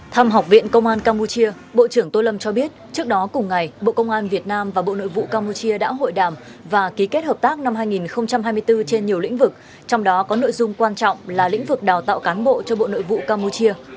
thăm học viện công an campuchia bộ trưởng tô lâm cho biết trước đó cùng ngày bộ công an việt nam và bộ nội vụ campuchia đã hội đàm và ký kết hợp tác năm hai nghìn hai mươi bốn trên nhiều lĩnh vực trong đó có nội dung quan trọng là lĩnh vực đào tạo cán bộ cho bộ nội vụ campuchia